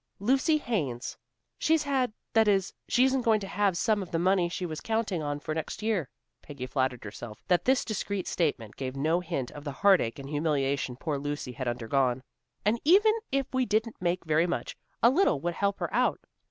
"Lucy Haines'. She's had that is, she isn't going to have some of the money she was counting on for next year," Peggy flattered herself that this discreet statement gave no hint of the heartache and humiliation poor Lucy had undergone. "And even if we didn't make very much, a little would help her out."